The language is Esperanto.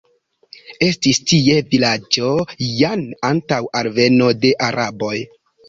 Estis tie vilaĝo jan antaŭ alveno de araboj.